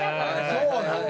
そうなの？